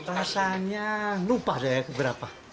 rasanya lupa deh keberapa